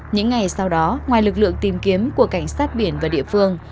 những ngày sau đó ngoài lực lượng tìm kiếm của cảnh sát biển và địa phương